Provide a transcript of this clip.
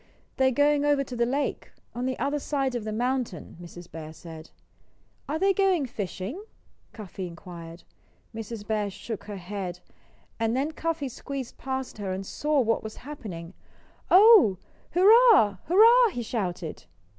"They're going over to the lake, on the other side of the mountain," Mrs. Bear said. "Are they going fishing?" Cuffy inquired. Mrs. Bear shook her head. And then Cuffy squeezed past her and saw what was happening. "Oh h, hurrah! hurrah!" he shouted.